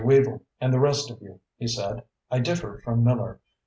Weavel and the rest of you," he said, "I differ from Miller.